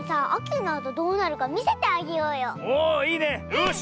よし！